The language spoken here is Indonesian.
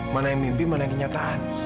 mana yang mimpi mana yang kenyataan